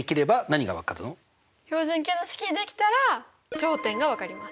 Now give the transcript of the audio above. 標準形の式にできたら頂点がわかります！